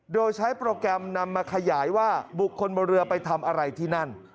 โดยใช้โปรแกรมนำมาขยายว่าบุคคลบนเรือไปทำอะไรที่นั่น